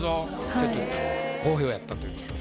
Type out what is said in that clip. ちょっと好評やったということで。